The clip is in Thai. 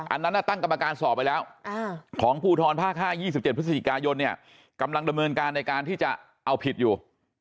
อันนั้นตั้งกรรมการสอบไปแล้วของภูทรภาค๕๒๗พฤศจิกายนเนี่ยกำลังดำเนินการในการที่จะเอาผิดอยู่